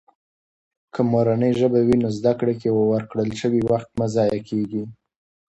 که مورنۍ ژبه وي، نو زده کړې کې ورکړل شوي وخت مه ضایع کېږي.